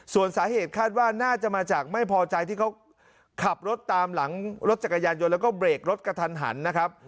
ส่วนสาเหตุคาดว่าน่าจะมาจากไม่พอใจที่เขาขับรถตามหลังรถจักรยานยนต์แล้วก็เบรกรถกระทันหันนะครับ